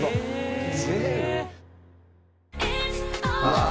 「ああ！」